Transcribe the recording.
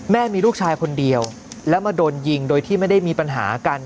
มีลูกชายคนเดียวแล้วมาโดนยิงโดยที่ไม่ได้มีปัญหากัน